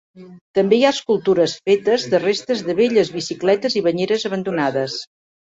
També hi ha escultures fetes de restes de velles bicicletes i banyeres abandonades.